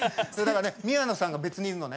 宮野さんが別にいるのね？